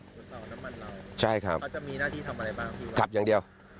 เขาจะมีหน้าที่ทำอะไรบ้างครับขับอย่างเดียว